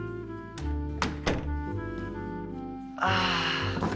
ああ。